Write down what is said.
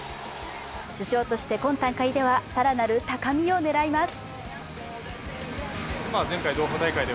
主将として、今大会では更なる高みを狙います。